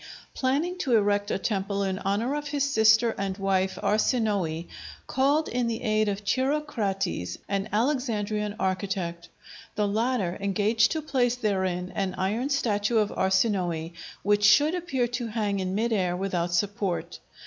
planning to erect a temple in honor of his sister and wife Arsinoë, called in the aid of Chirocrates, an Alexandrian architect. The latter engaged to place therein an iron statue of Arsinoë which should appear to hang in mid air without support.